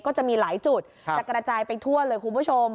ก็จะมีหลายจุดจะกระจายไปทั่วเลยคุณผู้ชม